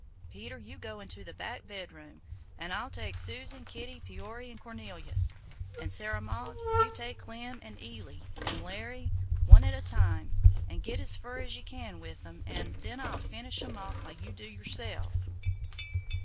Peter, you go into the back bedroom, an' I'll take Susan, Kitty, Peory an' Cornelius; an' Sarah Maud, you take Clem, 'n Eily, 'n Larry, one to a time, an' git as fur as you can with 'em, an' then I'll finish 'em off while you do yerself."